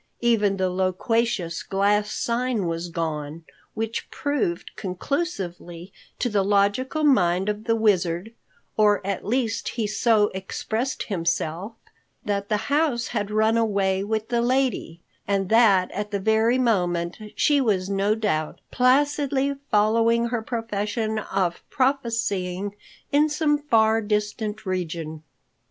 Even the loquacious glass sign was gone, which proved conclusively to the logical mind of the Wizard, or at least he so expressed himself, that the house had run away with the lady, and that at that very moment she was no doubt placidly following her profession of prophesying in some far distant region.